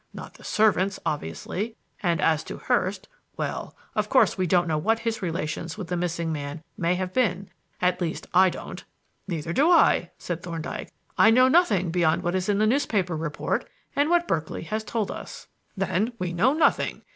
Not the servants, obviously, and as to Hurst well, of course, we don't know what his relations with the missing man may have been at least, I don't." "Neither do I," said Thorndyke. "I know nothing beyond what is in the newspaper report and what Berkeley has told us." "Then we know nothing.